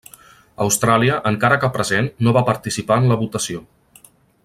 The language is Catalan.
Austràlia, encara que present, no va participar en la votació.